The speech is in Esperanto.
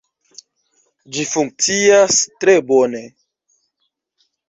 Ĝi funkcias tre bone